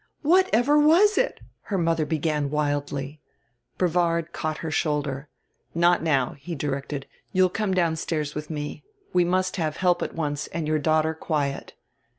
"Whatever was it ?" her mother began wildly. Brevard caught her shoulder. "Not now," he directed; "you'll come downstairs with me. We must have help at once and your daughter quiet."